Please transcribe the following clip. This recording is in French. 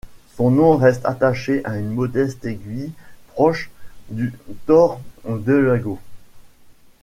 Son nom reste attaché à une modeste aiguille proche du Torre Delago.